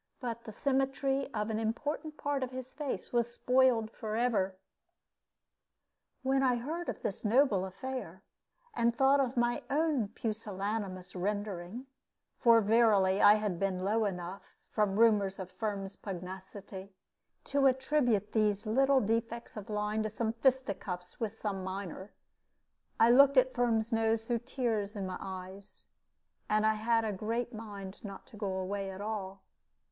But the symmetry of an important part of his face was spoiled forever. When I heard of this noble affair, and thought of my own pusillanimous rendering for verily I had been low enough, from rumors of Firm's pugnacity, to attribute these little defects of line to some fisticuffs with some miner I looked at Firm's nose through the tears in my eyes, and had a great mind not to go away at all.